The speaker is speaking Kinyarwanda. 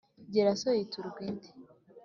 giraso yiturwa indi.